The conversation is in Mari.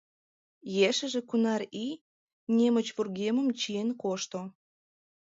Ешыже кунар ий немыч вургемым чиен кошто.